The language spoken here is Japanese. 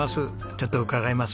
ちょっと伺います。